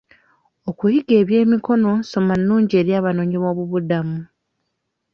Okuyiga eby'emikono nsoma nnungi eri abanoonyiboobubudamu.